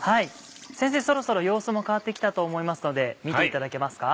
先生そろそろ様子も変わって来たと思いますので見ていただけますか？